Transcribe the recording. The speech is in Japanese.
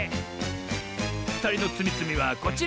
ふたりのつみつみはこちら！